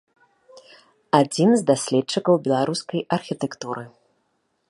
Адзін з даследчыкаў беларускай архітэктуры.